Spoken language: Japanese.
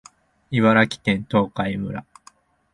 茨城県東海村